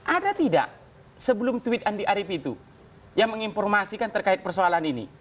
ada tidak sebelum tweet andi arief itu yang menginformasikan terkait persoalan ini